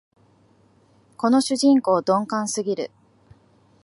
この主人公、鈍感すぎる